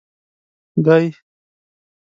دی.